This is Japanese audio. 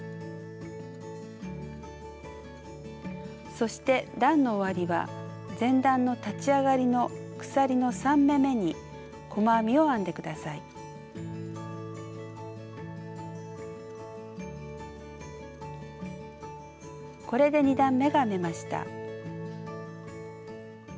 そして段の終わりは前段の立ち上がりの鎖の３目めにこれで２段めが編めました。